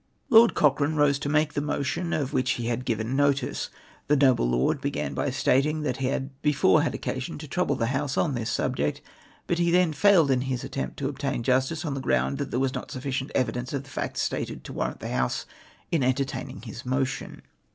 " Lord Cochrane rose to make the motion of which he had given notice. The noble lord began by stating that he had before had occasion to trouble the House on this subject, but he then failed in his attempt to obtain justice, on the ground that there was not sufficient evidence of the facts stated to warrant the House in entertaining his motion.